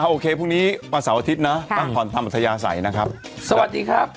โอเคพรุ่งนี้วันเสาร์อาทิตย์นะพักผ่อนทำอัธยาศัยนะครับสวัสดีครับ